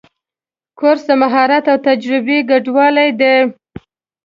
کورس د مهارت او تجربه ګډوالی دی.